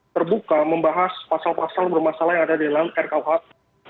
terbuka membahas pasal pasal bermasalah yang ada di dalam rkuhp